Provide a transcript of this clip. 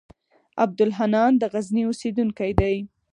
عبدالحنان د غزني اوسېدونکی دی.